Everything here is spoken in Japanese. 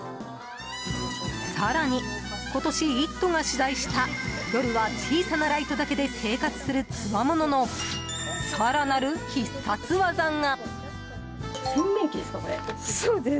更に、今年「イット！」が取材した夜は小さなライトだけで生活する強者の更なる必殺技が。